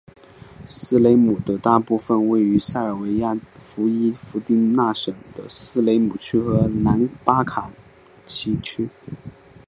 斯雷姆的大部分位于塞尔维亚伏伊伏丁那省的斯雷姆区和南巴奇卡区。